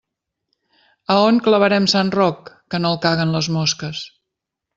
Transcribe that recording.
A on clavarem sant Roc que no el caguen les mosques?